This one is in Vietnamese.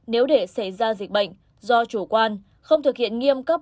nếu để xảy ra dịch bệnh do chủ quan không thực hiện nghiêm cấp